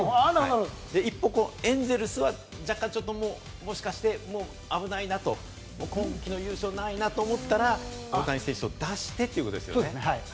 一方、エンゼルスは若干ちょっともう、もしかして危ないなと、今季の優勝はないなと思ったら大谷選手を出してということですね。